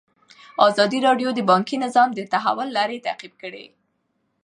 ازادي راډیو د بانکي نظام د تحول لړۍ تعقیب کړې.